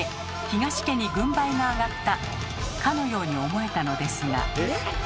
東家に軍配が上がったかのように思えたのですが。